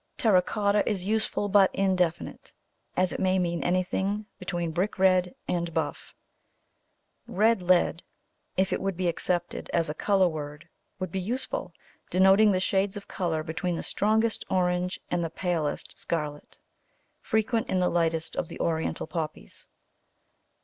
Terra cotta is useful but indefinite, as it may mean anything between brick red and buff. Red lead, if it would be accepted as a colour word, would be useful, denoting the shades of colour between the strongest orange and the palest scarlet, frequent in the lightest of the Oriental Poppies.